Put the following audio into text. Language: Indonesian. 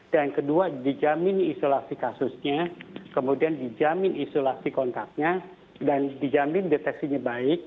dan kedua dijamin isolasi kasusnya kemudian dijamin isolasi kontaknya dan dijamin deteksinya baik